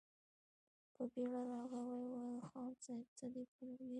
په بېړه راغی، ويې ويل: خان صيب! څه دې ويل؟